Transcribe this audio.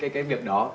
cái việc đó